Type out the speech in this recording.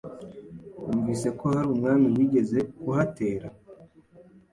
wumvise ko hari umwami wigeze kuhatera?”